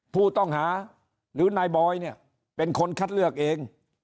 ผู้ต้องหาหรือนายบอยเนี่ยเป็นคนคัดเลือกเอง